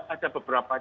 ada beberapa cara